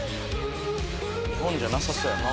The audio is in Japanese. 日本じゃなさそうやな。